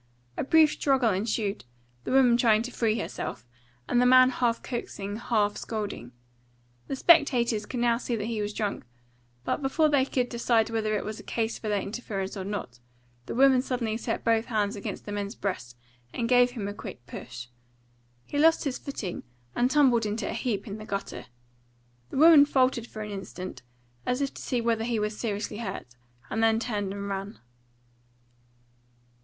A brief struggle ensued, the woman trying to free herself, and the man half coaxing, half scolding. The spectators could now see that he was drunk; but before they could decide whether it was a case for their interference or not, the woman suddenly set both hands against the man's breast and gave him a quick push. He lost his footing and tumbled into a heap in the gutter. The woman faltered an instant, as if to see whether he was seriously hurt, and then turned and ran.